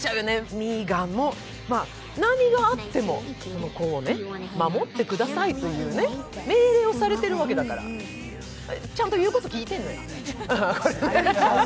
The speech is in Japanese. ミーガンも何があってもこの子を守ってくださいと命令をされているわけだからちゃんと言うこと聞いてね。